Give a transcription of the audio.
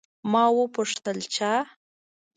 ما وپوښتل، چا؟